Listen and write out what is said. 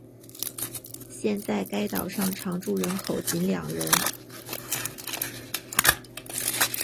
现在该岛上常住人口仅两人。